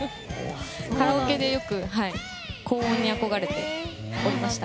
カラオケで、よく高音に憧れておりました。